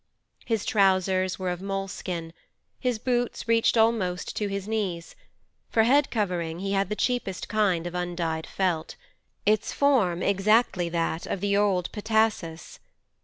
His trousers were of moleskin; his boots reached almost to his knees; for head covering he had the cheapest kind of undyed felt, its form exactly that of the old petasus.